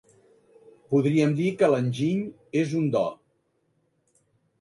Podríem dir que l'enginy és un do.